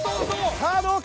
さあどうか？